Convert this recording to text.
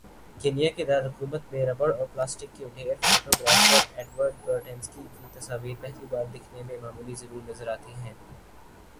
Kenya کے دارلحکومت میں ربڑ اور پلاسٹک کے ڈھیر فوٹو گرافر ایڈورڈ برٹینسکی کی تصاویر پہلی بار دکھنے میں معمولی ضرور نظر آتی ہیں